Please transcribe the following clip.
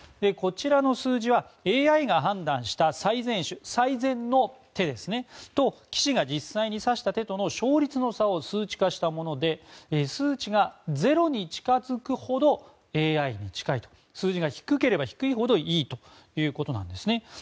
こちらの数字はＡＩが判断した最善手棋士が実際に指した手との勝率の差を数値化したもので数値が０に近づくほどＡＩに近い数字が低ければ低いほどいいということです。